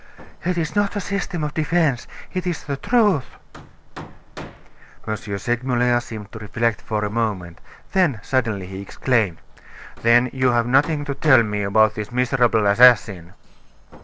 "It is not a system of defense; it is the truth." M. Segmuller seemed to reflect for a moment; then, suddenly, he exclaimed: "Then you have nothing to tell me about this miserable assassin?"